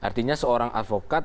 artinya seorang afiliat